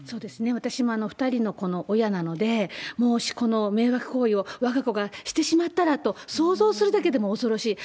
私も２人の子の親なので、もしこの迷惑行為をわが子がしてしまったらと想像するだけでも恐ろしい。